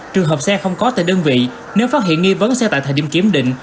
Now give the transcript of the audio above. trường hợp xe không có tại đơn vị nếu phát hiện nghi vấn xe tại thời điểm kiểm định